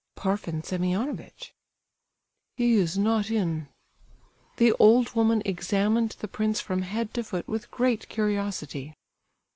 "Parfen Semionovitch." "He is not in." The old woman examined the prince from head to foot with great curiosity.